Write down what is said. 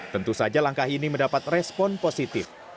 tentu saja langkah ini mendapat respon positif